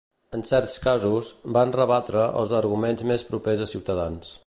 En certs casos, van rebatre els arguments més propers a Ciutadans.